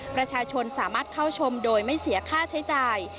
ประชาชนสามารถเข้าชมโดยไม่เสียค่าใช้จ่าย